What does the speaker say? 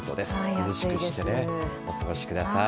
涼しくしてお過ごしください。